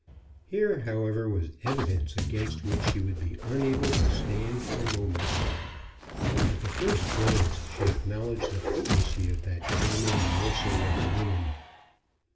Here, however, was evidence against which she would be unable to stand for a moment. At the first glance she acknowledged the potency of that damning morsel of linen.